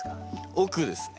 奥ですね。